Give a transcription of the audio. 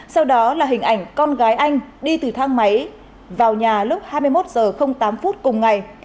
sau đó là hình ảnh con gái anh đi từ thang máy vào nhà lúc hai mươi một h tám cùng ngày